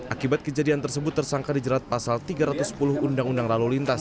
akibat kejadian tersebut tersangka dijerat pasal tiga ratus sepuluh undang undang lalu lintas